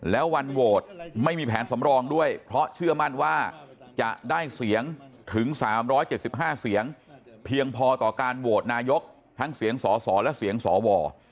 แล้ววันโหวตไม่มีแผนสำรองด้วยเพราะเชื่อมั่นว่าจะได้เสียงถึง๓๗๕เสียงเพียงพอต่อการโหวตนายกทั้งเสียงสสและเสียงสว